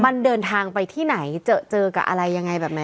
มันเดินทางไปที่ไหนเจอเจอกับอะไรยังไงแบบไหน